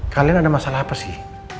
kalian ada masalah apa sih